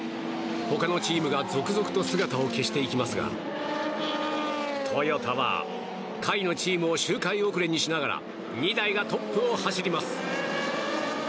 他のチームが続々と姿を消していきますがトヨタは下位のチームを周回遅れにしながら２台がトップを走ります。